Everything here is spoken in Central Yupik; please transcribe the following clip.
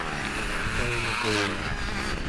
malruin